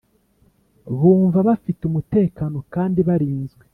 Bumva bafite umutekano kandi barinzwe